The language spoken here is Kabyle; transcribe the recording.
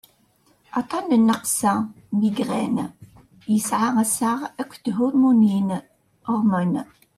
aṭṭan n nnaqsa migraine yesɛa assaɣ akked thurmunin hormones